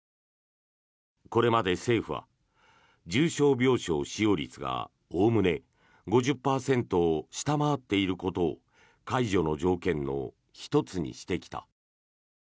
これまで政府は重症病床使用率がおおむね５０％を下回っていることを解除の条件の１つにしてきた。